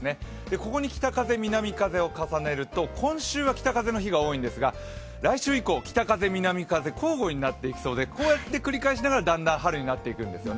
ここに北風、南風を重ねると、今週は北風の日が多いんですが来週以降、北風、南風交互になっていきそうでだんだん春になっていくんですよね。